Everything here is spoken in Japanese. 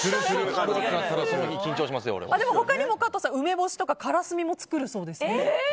でも他にも、加藤さん梅干しとかからすみも作るそうですね。